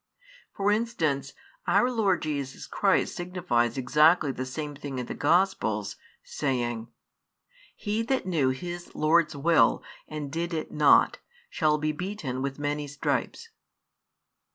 For instance Our Lord Jesus Christ signifies exactly the same thing in the Gospels, saying: He that knew Ms lord's will, and did it not, shall be beaten with many stripes.